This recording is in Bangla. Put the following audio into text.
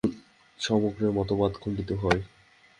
ইহা দ্বারা জীবন-সংগ্রামের মতবাদ খণ্ডিত হয়।